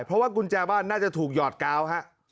เพราะว่ากุญแจบ้านน่าจะถูกหยอดกาวฮะ